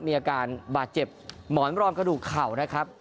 มีอาการบาดเจ็บหมอนรองกระดูกเข่านะครับ